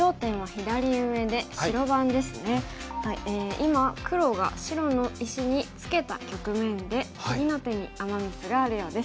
今黒が白の石にツケた局面で次の手にアマ・ミスがあるようです。